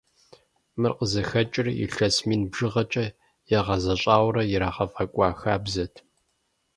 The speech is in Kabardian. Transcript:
Мыр къызыхэкӀыр илъэс мин бжыгъэкӀэ ягъэзащӀэурэ ирагъэфӀэкӀуа хабзэт.